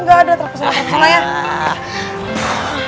nggak ada terpesona terpesona ya